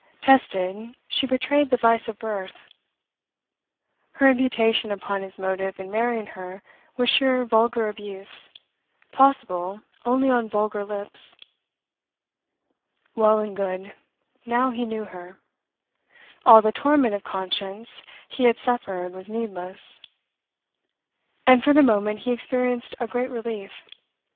Tested, she betrayed the vice of birth. Her imputation upon his motive in marrying her was sheer vulgar abuse, possible only on vulgar lips. Well and good; now he knew her; all the torment of conscience he had suffered was needless. And for the moment he experienced a great relief.